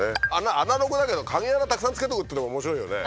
アナログだけど鍵穴たくさんつけておくっていうのも面白いよね。